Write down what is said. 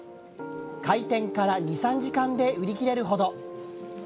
開店から２、３時間で売り切れるほど。